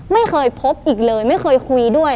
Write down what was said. ไม่เคยพบอีกเลยไม่เคยคุยด้วย